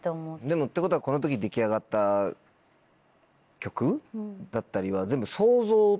ってことはこの時出来上がった曲だったりは。